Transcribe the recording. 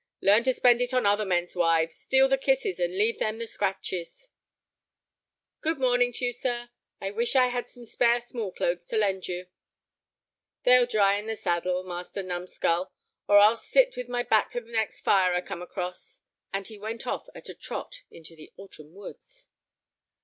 Learn to spend it on other men's wives—steal the kisses, and leave them the scratches." "Good morning to you, sir; I wish I had some spare small clothes to lend you." "They'll dry in the saddle, Master Numskull, or I'll sit with my back to the next fire I come across." And he went off at a trot into the autumn woods.